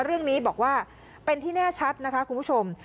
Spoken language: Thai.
เรื่องนี้บอกว่าเป็นที่แน่ชัดนะคะคุณผู้ชม